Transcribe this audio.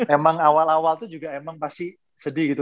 emang awal awal itu emang pasti sedih gitu